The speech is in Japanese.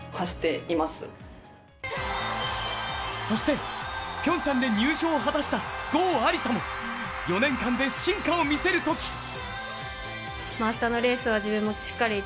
そしてピョンチャンで入賞を果たした郷亜里砂も、４年間で進化を見せるとき。